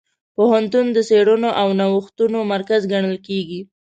پوهنتون د څېړنو او نوښتونو مرکز ګڼل کېږي.